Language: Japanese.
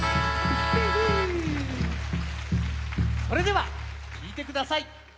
それではきいてください。